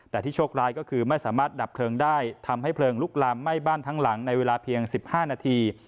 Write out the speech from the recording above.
แต่ที่โชคร้ายก็คือไม่สามารถดับเพลิงได้ทำให้เพลิงลุกลามไหม้บ้านทั้งหลังในเวลาเพียง๑๕นาที